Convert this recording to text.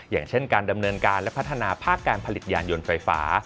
อย่างเช่นการดำเนินการและพัฒนาภาคการผลิตยานยนต์ไฟฟ้า